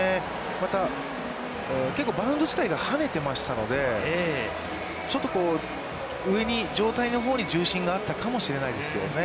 また結構バウンド自体が跳ねていましたので、ちょっと上に、上体のほうに重心があったかもしれないですよね。